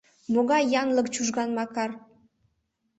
Могай янлык Чужган Макар!..